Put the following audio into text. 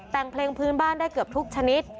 แต่งเพลงพื้นบ้านได้เกือบทุกชนิด